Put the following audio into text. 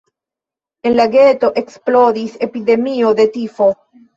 En la geto eksplodis epidemio de tifo.